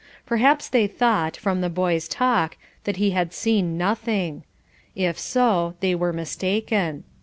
Perhaps they thought, from the boy's talk, that he had seen nothing. If so, they were mistaken.